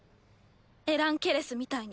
エラン・ケレスみたいに。